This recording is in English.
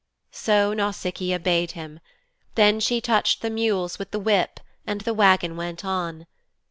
So Nausicaa bade him. Then she touched the mules with the whip and the wagon went on.